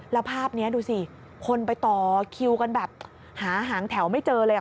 แล้วภาพนี้ดูสิคนไปต่อคิวกันแบบหาหางแถวไม่เจอเลย